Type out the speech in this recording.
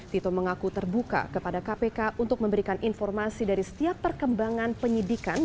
tito mengaku terbuka kepada kpk untuk memberikan informasi dari setiap perkembangan penyidikan